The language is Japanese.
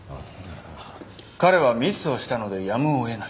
彼はミスをしたのでやむを得ない。